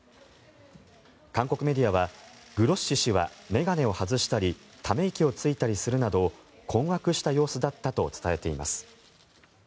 韓国メディアはグロッシ氏は眼鏡を外したりため息をついたりするなど困惑した様子だったと伝えています。